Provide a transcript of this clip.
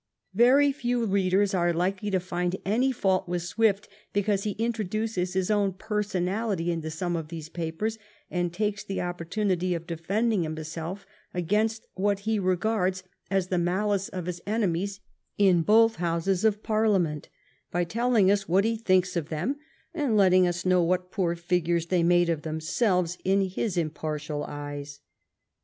Very few readers are likely to find any fault withi Swift because he introduces his own personality into some of these papers and takes the opportunity of de fending himself against what he regards as the malice of his enemies in both Houses of Parliament, by tel^ ing us what he thinks of them and letting us know what poor figures they made of themselves in his im« 1. 24 38J THE REIGN OP QUEEN ANNE partial eyes.